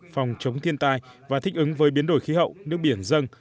phòng chống thiên tai và thích ứng với biến đổi khí hậu nước biển dân